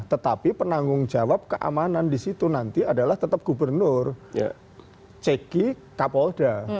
tetapi penanggung jawab keamanan di situ nanti adalah tetap gubernur ceki kapolda